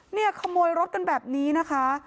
เนี่ยขโมยรถกันแบบนี้นะคะ